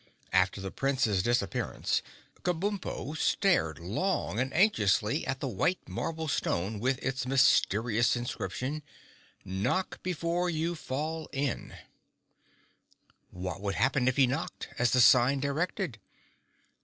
After the Prince's disappearance, Kabumpo stared long and anxiously at the white marble stone with its mysterious inscription, "Knock before you fall in." What would happen if he knocked, as the sign directed?